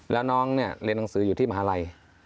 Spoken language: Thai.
แล้วน้องเนี่ยเรียนหนังสืออยู่ที่มหาลัย